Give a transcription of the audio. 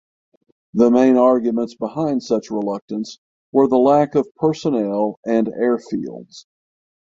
The main arguments behind such reluctance were the lack of personnel and airfields.